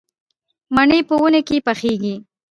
مڼې په ونې کې پخېږي